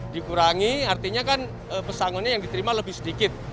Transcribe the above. dikurangi artinya kan pesangonnya yang diterima lebih sedikit